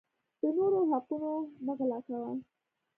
د نورو حقونه مه غلاء کوه